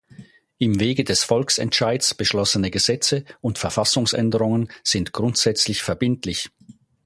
Im Wege des Volksentscheids beschlossene Gesetze und Verfassungsänderungen sind grundsätzlich verbindlich.